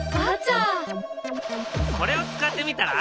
これを使ってみたら？